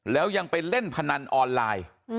แล้วยังไปเล่นพนันออนไลน์